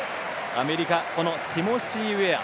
アメリカ、ティモシー・ウェア。